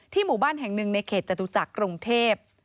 หมู่บ้านแห่งหนึ่งในเขตจตุจักรกรุงเทพ